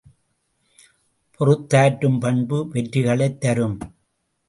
பொறுத்தாற்றும் பண்பு வெற்றிகளைத் தரும்.